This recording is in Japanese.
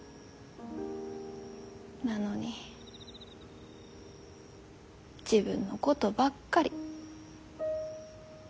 なのに自分のことばっかり。